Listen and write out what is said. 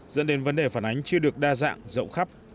dẫn đến vấn đề phản ánh chưa được đa dạng rộng khắp